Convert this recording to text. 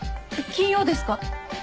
金曜ですか？